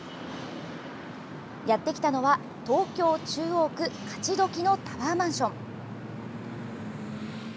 やってきたのは東京・中央区勝どきのタワーマンション。